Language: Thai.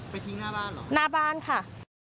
ทิ้งหน้าบ้านเหรอหน้าบ้านค่ะ